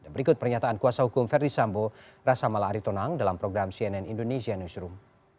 berikut pernyataan kuasa hukum verdi sambo rasa mala aritonang dalam program cnn indonesia newsroom